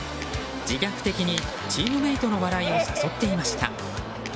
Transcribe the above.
自虐的にチームメートの笑いを誘っていました。